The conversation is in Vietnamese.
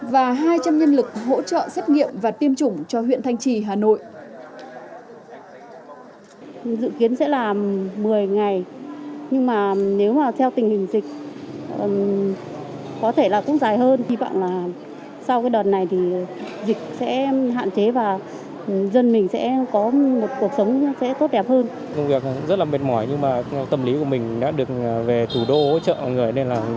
và hai trăm linh nhân lực hỗ trợ xét nghiệm và tiêm chủng cho huyện thanh trì hà nội